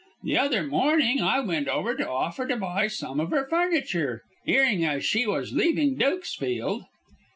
The other morning I went over to offer to buy some of her furniture, 'earing as she was leaving Dukesfield."